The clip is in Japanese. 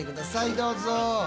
どうぞ。